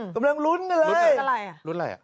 กำลังลุ้นกันเลย